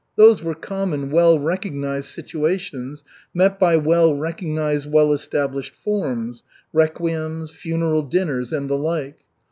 Those were common, well recognized situations, met by well recognized, well established forms requiems, funeral dinners, and the like.